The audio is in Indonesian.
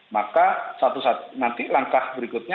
maka satu saat nanti langkah berikutnya